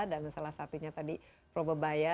dan salah satunya tadi probebaya